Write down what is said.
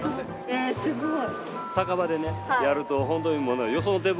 えっすごい。